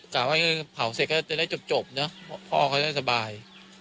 กล่าวว่าคือเผาเสร็จก็จะได้จบจบเนอะเพราะพ่อเขาจะได้สบาย